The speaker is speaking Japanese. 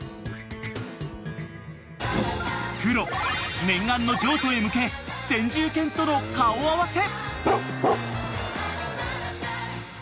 ［クロ念願の譲渡へ向け先住犬との顔合わせ］